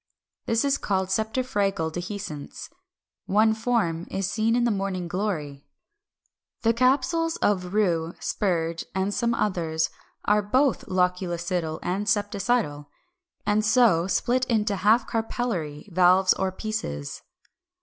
This is called Septifragal dehiscence. One form is seen in the Morning Glory (Fig. 400). 373. The capsules of Rue, Spurge, and some others, are both loculicidal and septicidal, and so split into half carpellary valves or pieces.